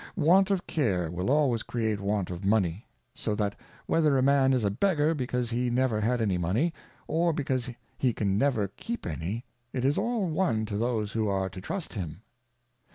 Want of care will always create want of Money ; so that whether a Man is a begger because he never had any Money, or because he can never keep any, it is all one to those who are to trust him.